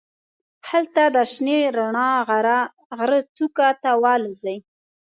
هلته د شنې رڼا غره څوکې ته والوزي.